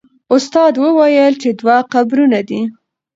استاد وویل چې دوه قبرونه دي.